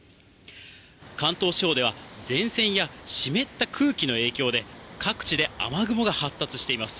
関東地方では、前線や湿った空気の影響で、各地で雨雲が発達しています。